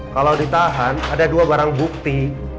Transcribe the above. kalau ditahan ada dua barang bukti